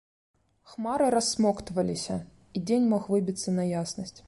Хмары рассмоктваліся, і дзень мог выбіцца на яснасць.